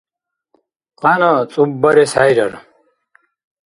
Къяна цӀуббарес хӀейрар.